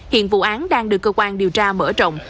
hiện vụ án đang được cơ quan điều tra mở rộng